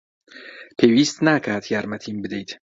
پێویست ناکات یارمەتیم بدەیت.